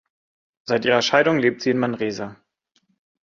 Seit ihrer Scheidung lebt sie in Manresa.